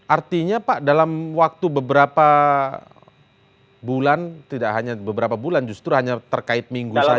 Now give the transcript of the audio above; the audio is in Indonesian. artinya pak dalam waktu beberapa bulan tidak hanya beberapa bulan justru hanya terkait minggu saja